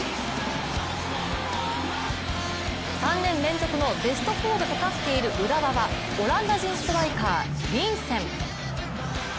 ３年連続のベスト４がかかっている浦和はオランダ人ストライカー、リンセン。